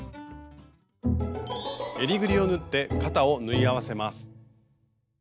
えりぐりを縫って肩を縫い合わせます。